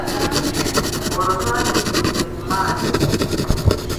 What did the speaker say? Olwo twali tutuuse ku maato.